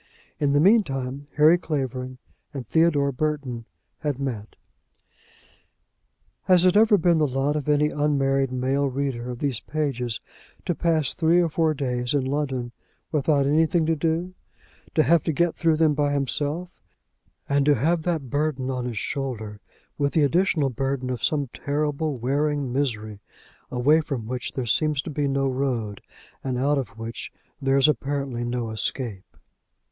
In the meantime, Harry Clavering and Theodore Burton had met. Has it ever been the lot of any unmarried male reader of these pages to pass three or four days in London, without anything to do, to have to get through them by himself, and to have that burden on his shoulder, with the additional burden of some terrible, wearing misery, away from which there seems to be no road, and out of which there is apparently no escape?